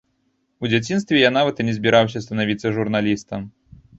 У дзяцінстве я нават і не збіраўся станавіцца журналістам.